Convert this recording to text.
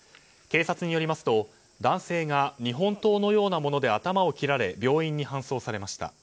警察によりますと男性が日本刀のようなもので頭を切られ病院に搬送されました。